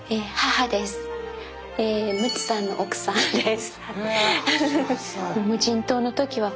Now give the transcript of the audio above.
ムツさんの奥さんです。